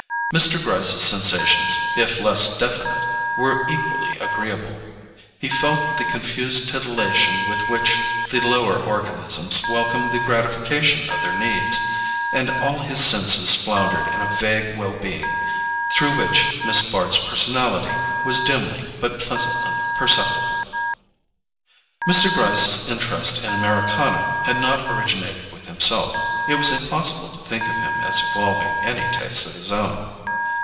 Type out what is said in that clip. Mr. Gryce's sensations, if less definite, were equally agreeable. He felt the confused titillation with which the lower organisms welcome the gratification of their needs, and all his senses floundered in a vague well being, through which Miss Bart's personality was dimly but pleasantly perceptible. Mr. Gryce's interest in Americana had not originated with himself: it was impossible to think of him as evolving any taste of his own.